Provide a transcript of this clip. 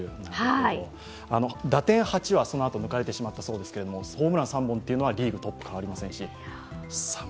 打点８はそのあと迎えてしまったそうですけど、ホームラン３本というのはリーグトップ変わりませんし。